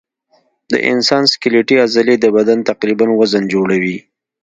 د انسان سکلیټي عضلې د بدن تقریباً وزن جوړوي.